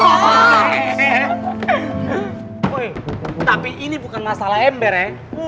wow tapi ini bukan masalah ember ya